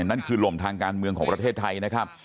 นั่นคือลมทางการเมืองของประเทศไทยนะครับ